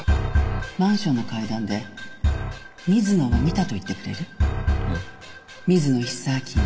マンションの階段で水野を見たと言ってくれる？え？